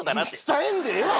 伝えんでええわ！